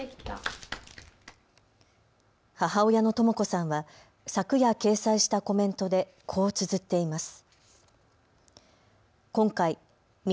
母親のとも子さんは昨夜掲載したコメントで、こうつづっています。